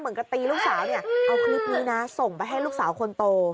เหมือนกับตีลูกสาวเอาคลิปนี้ส่งไปให้ลูกสาวคนโต